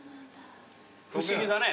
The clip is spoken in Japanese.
不思議だね。